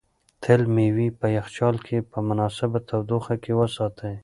تاسو مېوې په یخچال کې په مناسبه تودوخه کې وساتئ.